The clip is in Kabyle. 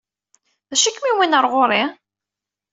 D acu i kem-yewwin ɣer ɣur-i?